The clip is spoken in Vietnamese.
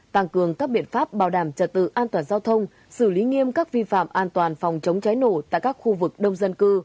tăng cường các biện pháp bảo đảm trật tự an toàn giao thông xử lý nghiêm các vi phạm an toàn phòng chống cháy nổ tại các khu vực đông dân cư